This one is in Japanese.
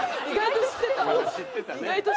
意外と知ってた。